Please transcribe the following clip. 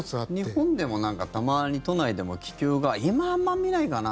日本でもたまに都内でも気球が今はあんまり見ないかな。